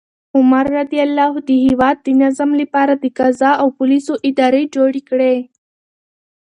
عمر رض د هیواد د نظم لپاره د قضا او پولیسو ادارې جوړې کړې.